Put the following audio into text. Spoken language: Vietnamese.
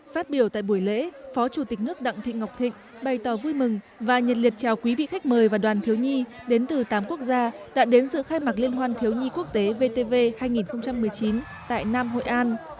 phát biểu tại buổi lễ phó chủ tịch nước đặng thị ngọc thịnh bày tỏ vui mừng và nhật liệt chào quý vị khách mời và đoàn thiếu nhi đến từ tám quốc gia đã đến dự khai mạc liên hoan thiếu nhi quốc tế vtv hai nghìn một mươi chín tại nam hội an